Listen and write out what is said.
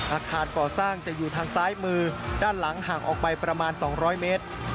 อาคารก่อสร้างจะอยู่ทางซ้ายมือด้านหลังห่างออกไปประมาณ๒๐๐เมตร